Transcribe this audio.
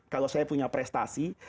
kalau saya punya prestasi